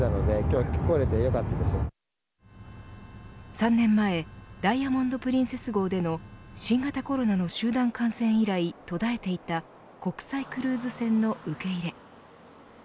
３年前ダイヤモンド・プリンセス号での新型コロナの集団感染以来途絶えていた国際クルーズ船の受け入れ。